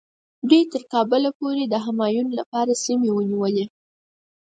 دوی تر کابله پورې د همایون لپاره سیمې ونیولې.